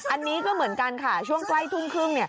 อันนี้ก็เหมือนกันค่ะช่วงใกล้ทุ่มครึ่ง